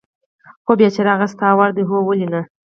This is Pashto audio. هو، بېچاره، هغه ستا وړ ده؟ هو، ولې نه.